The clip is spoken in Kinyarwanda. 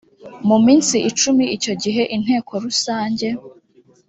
mu minsi icumi icyo gihe inteko rusange